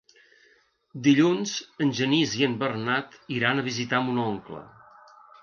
Dilluns en Genís i en Bernat iran a visitar mon oncle.